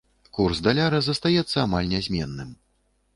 Курс даляра застаецца амаль нязменным.